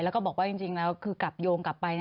แล้วก็บอกว่าจริงแล้วคือกลับโยงกลับไป